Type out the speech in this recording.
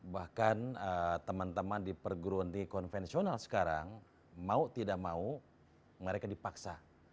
bahkan teman teman di perguruan tinggi konvensional sekarang mau tidak mau mereka dipaksa